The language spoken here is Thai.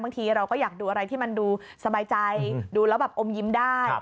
บางทีเราก็อยากดูอะไรที่มันดูสบายใจดูแล้วแบบอมยิ้มได้